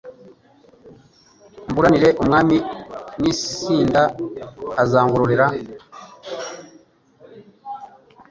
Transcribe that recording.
Mburanire Umwami ninsinda azangororera